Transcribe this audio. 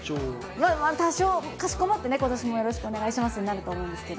多少、かしこまって、ことしもよろしくお願いしますになるんですけど。